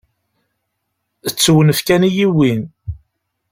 D tewnef kan i yi-yewwin.